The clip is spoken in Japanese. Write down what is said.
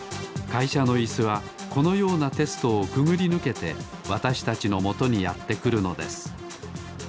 いしゃのイスはこのようなテストをくぐりぬけてわたしたちのもとにやってくるのです。